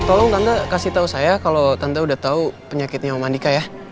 tolong tante kasih tau saya kalo tante udah tau penyakitnya om andika ya